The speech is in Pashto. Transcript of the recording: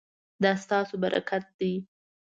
دا ستاسو برکت دی